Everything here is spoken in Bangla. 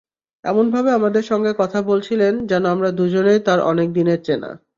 এমনভাবে আমাদের সঙ্গে কথা বলছিলেন, যেন আমরা দুজনেই তাঁর অনেক দিনের চেনা।